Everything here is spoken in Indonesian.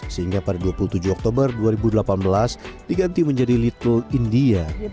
sehingga pada dua puluh tujuh oktober dua ribu delapan belas diganti menjadi little india